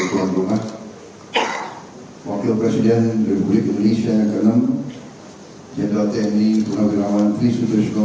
wakil presiden republik indonesia yang ke enam general tni penagrawan trisutusko